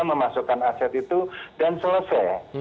memasukkan aset itu dan selesai